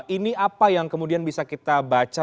ini apa yang kemudian bisa kita baca